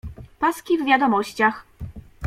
Paski w Wiadomościach